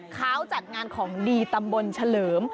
เขาจัดงานของดีตำบลเฉลิม